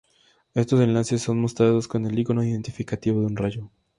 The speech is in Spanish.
Estos enlaces son mostrados con el icono identificativo de un rayo.